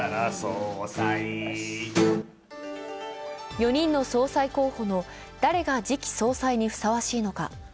４人の総裁候補の誰が次期総裁にふさわしいのか？